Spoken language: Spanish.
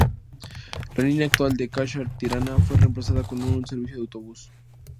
La línea actual de Kashar-Tirana fue reemplazada con un servicio de autobús.